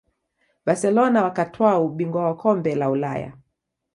barcelona wakatwaa ubingwa wa kombe la ulaya